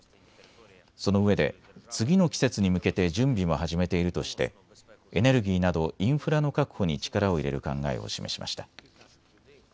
そのうえで次の季節に向けて準備も始めているとしてエネルギーなどインフラの確保に力を入れる考えを示しました。